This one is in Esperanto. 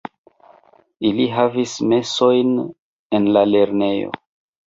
Ili havis mesojn en la lernejo.